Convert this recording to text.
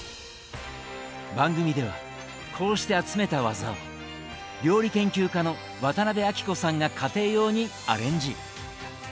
番組ではこうして集めたワザを料理研究家の渡辺あきこさんが家庭用にアレンジ。